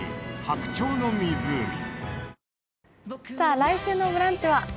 来週の「ブランチ」は？